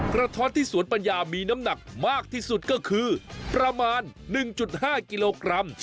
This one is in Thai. ท้อนที่สวนปัญญามีน้ำหนักมากที่สุดก็คือประมาณ๑๕กิโลกรัม